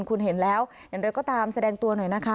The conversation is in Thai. คุณเห็นแล้วอย่างไรก็ตามแสดงตัวหน่อยนะคะ